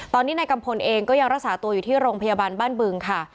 ตอนนี้นายกัมพลเองก็ยังรักษาตัวอยู่ที่โรงพยาบาลบ้านบึงค่ะ